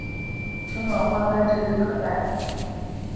春暖花开指日可待